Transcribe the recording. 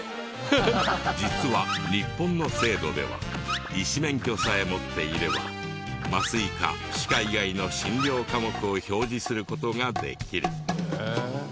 実は日本の制度では医師免許さえ持っていれば麻酔科歯科以外の診療科目を表示する事ができる。